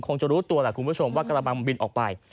คงจะรู้ตัวแหละคุณผู้ชมว่ากระบังมันบินออกไป